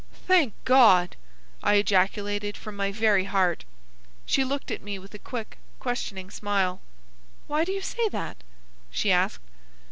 "Thank God!" I ejaculated from my very heart. She looked at me with a quick, questioning smile. "Why do you say that?" she asked.